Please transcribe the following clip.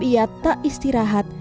ia tak istirahat